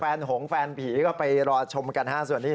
หงแฟนผีก็ไปรอชมกันฮะส่วนนี้